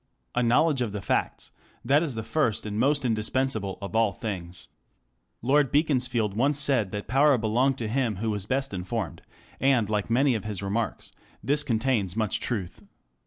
A knowledge of the facts ŌĆö that is the first and most indispensable of all things. Lord Beaconsfield once said that power belonged to him who was best informed ; and, like many of his remarks, this con tains much truth.